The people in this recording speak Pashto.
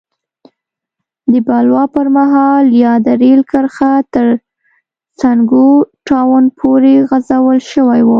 د بلوا پر مهال یاده رېل کرښه تر سونګو ټاون پورې غځول شوې وه.